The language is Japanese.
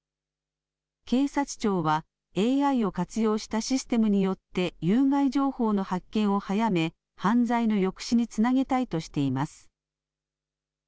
警察庁は、ＡＩを活用したシステムによって有害情報の発見を早め、犯罪の抑止につなげたいとしています。